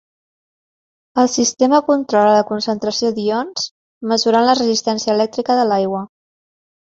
El sistema controla la concentració d'ions, mesurant la resistència elèctrica de l'aigua.